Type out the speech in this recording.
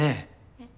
えっ？